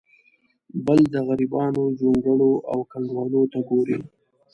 بل د غریبانو جونګړو او کنډوالو ته ګوري.